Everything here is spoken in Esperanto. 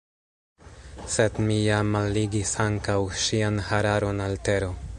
Sed mi jam alligis ankaŭ ŝian hararon al tero.